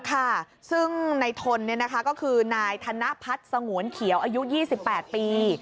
ค่ะซึ่งในทนก็คือนายธนพัฒน์สงวนเขียวอายุ๒๘ปี